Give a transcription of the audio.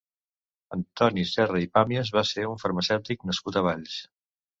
Antoni Serra i Pàmies va ser un farmacèutic nascut a Valls.